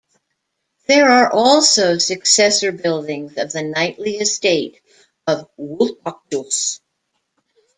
There are also successor buildings of the knightly estate of Vultejus.